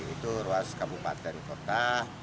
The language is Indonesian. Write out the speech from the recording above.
itu ruas kabupaten kota